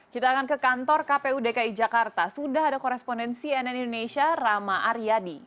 kita akan ke kantor kpu dki jakarta sudah ada korespondensi nn indonesia rama aryadi